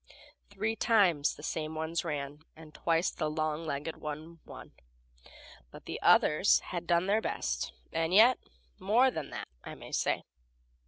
Three times the same ones ran, and twice the long legged one won, but the others had done their best; yes, more than that, I may say.